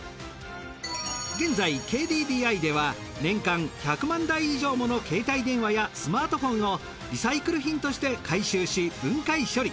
現在ＫＤＤＩでは年間１００万台以上もの携帯電話やスマートフォンをリサイクル品として回収し分解処理。